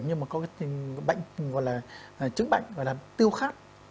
nhưng mà có cái chứng bệnh gọi là tiêu khát